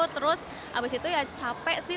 terus abis itu ya capek sih